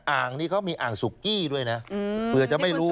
อ่างนี้เขามีอ่างสุกี้ด้วยนะเผื่อจะไม่รู้